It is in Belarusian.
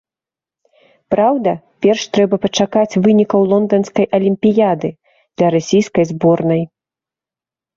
Праўда, перш трэба пачакаць вынікаў лонданскай алімпіяды для расійскай зборнай.